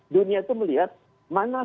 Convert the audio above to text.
dunia itu melihat mana